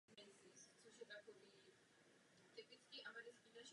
Město existovalo už před vznikem islámu.